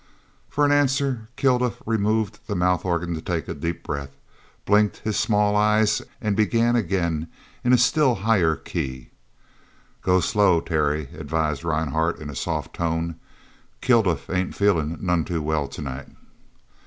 For answer Kilduff removed the mouth organ to take a deep breath, blinked his small eyes, and began again in a still higher key. "Go slow, Terry," advised Rhinehart in a soft tone. "Kilduff ain't feelin' none too well tonight."